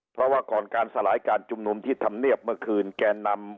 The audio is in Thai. เพราะว่าก่อนการสลายการชุมนุมที่ทำเนียบเมื่อคืนแกนนำ